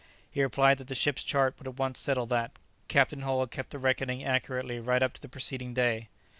He replied that the ship's chart would at once settle that. Captain Hull had kept the reckoning accurately right up to the preceding day.